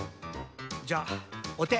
じゃおて。